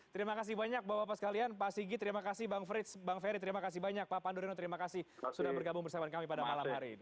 terima kasih banyak bapak bapak sekalian pak sigi terima kasih bang frits bang ferry terima kasih banyak pak pandu reno terima kasih sudah bergabung bersama kami pada malam hari ini